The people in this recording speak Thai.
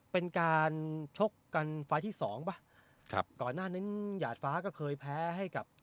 เป็นการชกกันไฟล์ที่สองป่ะครับก่อนหน้านั้นหยาดฟ้าก็เคยแพ้ให้กับ